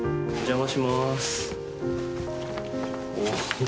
お邪魔しまーす。